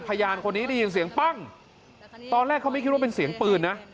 พยานคนนี้ได้ยินเสียงปั้งตอนแรกเขาไม่คิดว่าเป็นเสียงปืนนะ